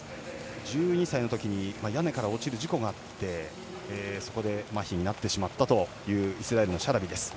１２歳のときに屋根から落ちる事故があってそこでまひになってしまったというイスラエルのシャラビです。